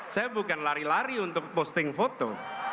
saya bukan lari lari untuk posting foto